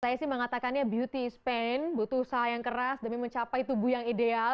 saya sih mengatakannya beauty span butuh usaha yang keras demi mencapai tubuh yang ideal